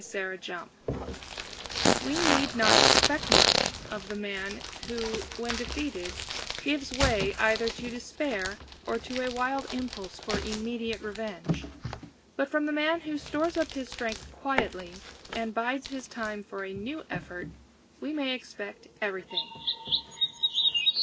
_ ONE FIGHT MORE We need not expect much of the man who, when defeated, gives way either to despair or to a wild impulse for immediate revenge. But from the man who stores up his strength quietly and bides his time for a new effort, we may expect everything.